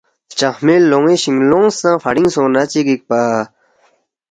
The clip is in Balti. ہلچنگمی لونی شینگ لونگ سہ فڑینگ سونگنہ چی گیگ پا